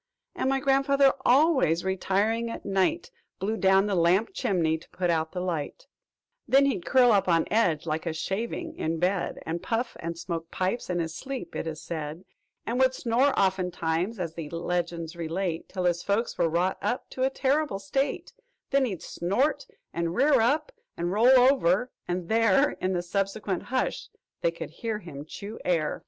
"And my grandfather always, retiring at night, Blew down the lamp chimney to put out the light; "Then he'd curl up on edge like a shaving, in bed, And puff and smoke pipes in his sleep, it is said: "And would snore oftentimes, as the legends relate, Till his folks were wrought up to a terrible state, "Then he'd snort, and rear up, and roll over; and there In the subsequent hush they could hear him chew air.